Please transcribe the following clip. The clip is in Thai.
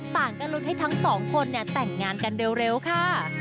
ต่างก็ลุ้นให้ทั้งสองคนเนี่ยแต่งงานกันเร็วค่ะ